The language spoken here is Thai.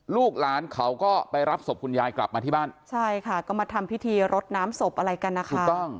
ลูกหลานเขาก็ไปรับศพคุณยายกลับมาที่บ้านใช่ค่ะก็มาทำพิธีรดน้ำศพอะไรกันนะคะถูกต้อง